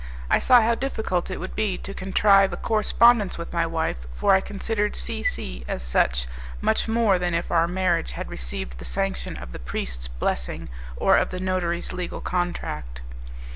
I saw how difficult it would be to contrive a correspondence with my wife, for I considered C C as such, much more than if our marriage had received the sanction of the priest's blessing or of the notary's legal contract.